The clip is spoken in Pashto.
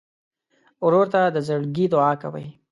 ورور ته د زړګي دعاء کوې.